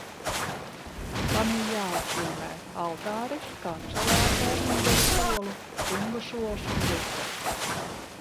Tanī jāatzīmē: altāris, kancele ar pērminderu solu, kungu sols un luktas.